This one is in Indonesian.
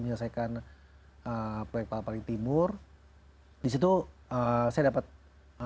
menyelesaikan proyek paling timur disitu saya dapat laporan bahwa